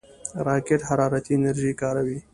راکټ حرارتي انرژي کاروي